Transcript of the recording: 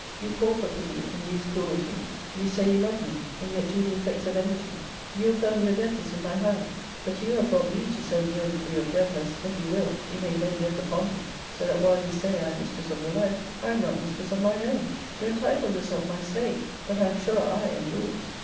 You call for pity, and use crudty ; you say you love me, and yet do the effects of enmity ; you affirm your death is in my hands, but you have brought me to so near a degree of death as, when you will, you may lay death upon me ; so that while you say I am mistress of your life, I am not mistress of mine own. You entitle yourself my slave^ but I am sure I am yours.